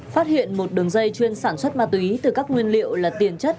phát hiện một đường dây chuyên sản xuất ma túy từ các nguyên liệu là tiền chất